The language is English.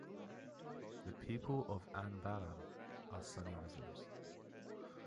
The people of Anbaran are Sunni Muslims.